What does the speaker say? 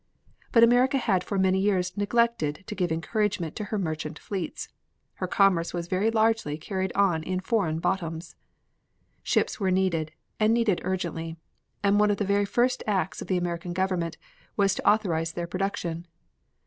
But America had for many years neglected to give encouragement to her merchant fleets. Her commerce was very largely carried in foreign bottoms. Ships were needed, and needed urgently, and one of the very first acts of the American Government was to authorize their production.